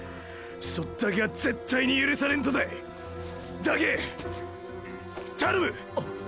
そっだけは絶対に許されんとたい！！だけぇたのむ！